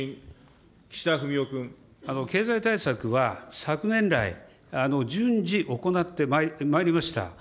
経済対策は、昨年来、順次行ってまいりました。